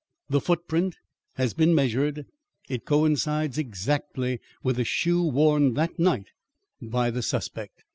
"The footprint has been measured. It coincides exactly with the shoe worn that night by the suspect.